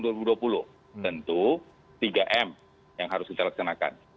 tentu tiga m yang harus kita laksanakan